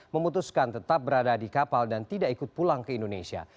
memutuskan tetap berada di kapal dan tidak ikut pulang ke indonesia